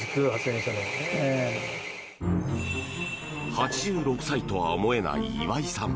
８６歳とは思えない岩井さん。